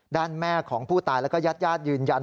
ด้านแม่ของผู้ตายแล้วก็ยัดยืนยัน